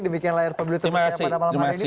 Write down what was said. demikian layar pemilu terpercaya pada malam hari ini